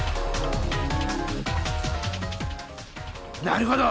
なるほど！